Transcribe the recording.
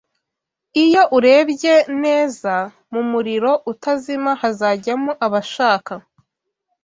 Iyo urebyee neza, mu muriro utazima hazajyamo abashaka